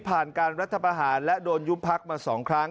การรัฐประหารและโดนยุบพักมา๒ครั้ง